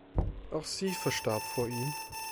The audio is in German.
Auch sie verstarb vor ihm.